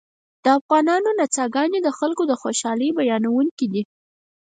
د افغانانو نڅاګانې د خلکو د خوشحالۍ بیانوونکې دي